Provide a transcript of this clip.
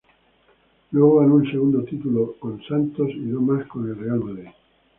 Luego ganó un segundo título con Santos y dos más con el Real Madrid.